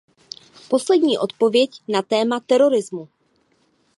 Poslední odpověď na téma terorismu.